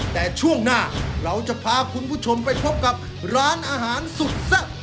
แต่ช่วงหน้าเราจะพาคุณผู้ชมไปพบกับร้านอาหารสุดแซ่บ